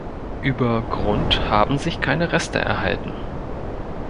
Über Grund haben sich keine Reste erhalten.